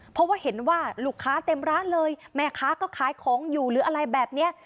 เพราะว่าเห็นว่าลูกค้าเต็มร้านเลยแม่ค้าก็ขายของอยู่หรืออะไรแบบนี้